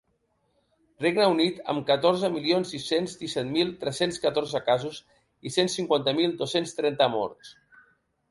Regne Unit, amb catorze milions sis-cents disset mil tres-cents catorze casos i cent cinquanta mil dos-cents trenta morts.